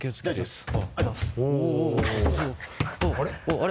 あれ？